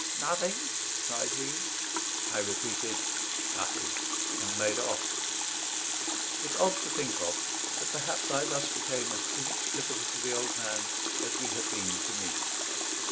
"Nothing?" cried he. I repeated "Nothing," and made off. It's odd to think of, but perhaps I thus became as inexplicable to the old man as he had been to me.